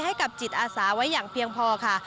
ให้กับจิตอาสาไว้อย่างเพียงพอค่ะ